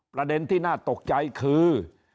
ประเด็นที่น่าตกใจคือ